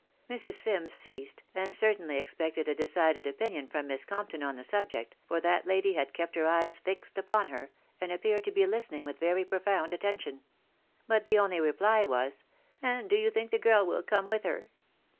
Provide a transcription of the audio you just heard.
Mrs. Sims ceased, and certainly expected a decided opinion from Miss Compton on the subject, for that lady had kept her eyes fixed upon her, and appeared to be listening with very profound attention ; but the only reply was, " And do you think the girl will come with her